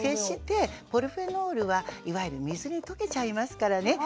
ポリフェノールはいわゆる水に溶けちゃいますからね